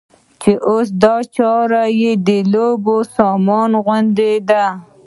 چې اوس دا چارې د لوبو سامان غوندې دي.